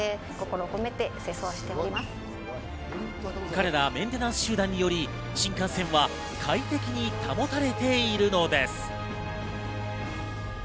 彼らメンテナンス集団により新幹線は快適に保たれているのです。